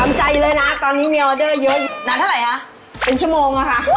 ใจเลยนะตอนนี้มีออเดอร์เยอะนานเท่าไหร่คะเป็นชั่วโมงอะค่ะ